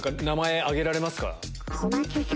名前挙げられますか？